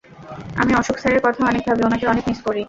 আমি অশোক স্যারের কথা অনেক ভাবি, উনাকে অনেক মিস করি।